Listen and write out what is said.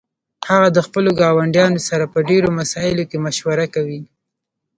هغه د خپلو ګاونډیانو سره په ډیرو مسائلو کې مشوره کوي